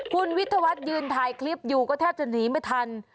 คุณวิทยาวัฒน์ยืนถ่ายคลิปอยู่ก็แทบจะหนีไม่ทัน